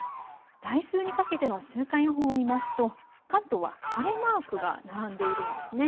来週にかけての週間予報を見ますと関東は晴れマークが並んでいるんですね。